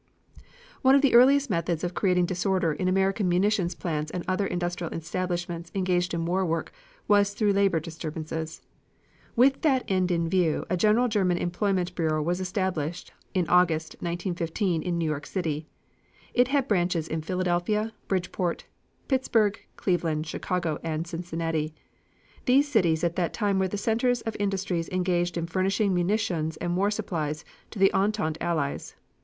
One of the earliest methods of creating disorder in American munition plants and other industrial establishments engaged in war work was through labor disturbances. With that end in view a general German employment bureau was established in August, 1915, in New York City. It had branches in Philadelphia, Bridgeport, Pittsburgh, Cleveland, Chicago and Cincinnati. These cities at that time were the centers of industries engaged in furnishing munitions and war supplies to the Entente allies.